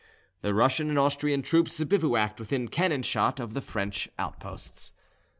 The Russian and Austrian troops bivouacked within cannon shot of the French outposts.